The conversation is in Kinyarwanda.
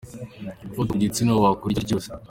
Gufata ku gitsina, wakora icyo aricyo cyose.